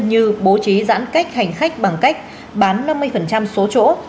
như bố trí giãn cách hành khách bằng cách bán năm mươi số chỗ